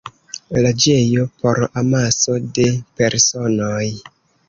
Loĝejo por amaso de personoj.